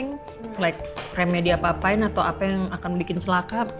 seperti remedi apa apain atau apa yang akan bikin selaka